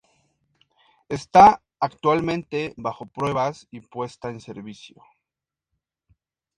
Está actualmente bajo pruebas y puesta en servicio.